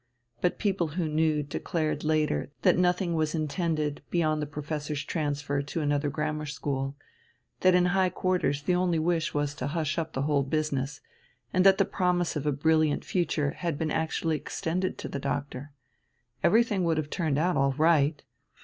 But people who knew declared later that nothing was intended beyond the professor's transfer to another grammar school; that in high quarters the only wish was to hush up the whole business, and that the promise of a brilliant future had been actually extended to the Doctor. Everything would have turned out all right.